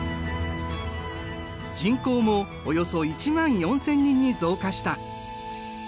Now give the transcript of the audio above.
人口もおよそ１万４，０００人に増加した。